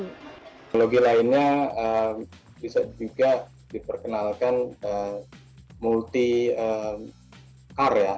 teknologi lainnya bisa juga diperkenalkan multi car ya